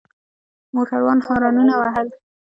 موټروان هارنونه وهل.